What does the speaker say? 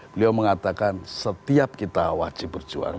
beliau mengatakan setiap kita wajib berjuang